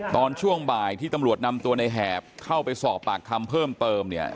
ตอนช่วงบ่ายที่ตำรวจนำตัวในแหบเข้าไปสอบปากคำเพิ่มเติมเนี่ย